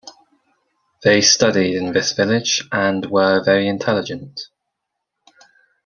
They studied in this village and were very intelligent.